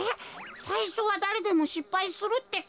さいしょはだれでもしっぱいするってか？